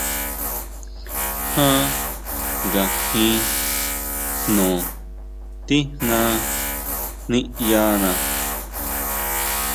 Ján ngajin jno tijna niʼyana.